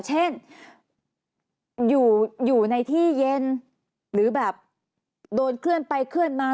เช่นอยู่ในที่เย็นหรือแบบโดนเคลื่อนไปเคลื่อนมา